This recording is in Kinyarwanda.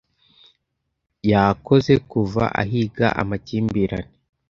Yakoze kuva ahiga amakimbirane